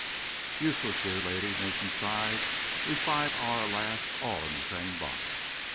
"Useless, dear lady," Mason sighed. "We five are, alas! all in the same box.